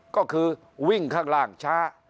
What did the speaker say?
ก็คือวิ่งข้างล่างช้า